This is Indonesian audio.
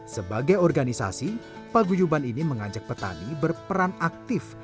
sebagai organisasi paguyuban ini mengajak petani berperan aktif